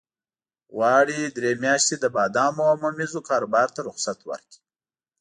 غواړي درې میاشتې د بادامو او ممیزو کاروبار ته رخصت ورکړي.